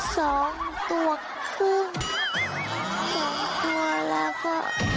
สองตัวแล้วก็